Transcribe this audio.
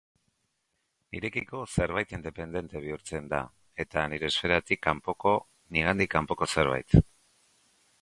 Nirekiko zerbait independente bihurtzen da eta nire esferatik kanpoko, nigandik kanpoko zerbait.